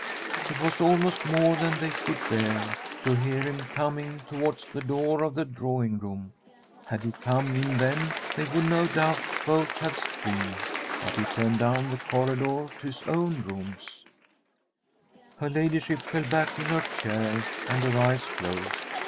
It was almost more than they could bear, to hear him coming towards the door of the draw ing room. Had he come in then, they would no doubt both have screamed. But he turned down the corridor to his own rooms. The STORY of a COUNTRY HOUSE Her ladyship fell back in her chair, and her eyes closed.